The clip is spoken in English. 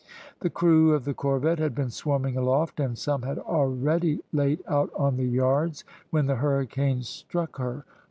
The crew of the corvette had been swarming aloft, and some had already laid out on the yards when the hurricane struck her.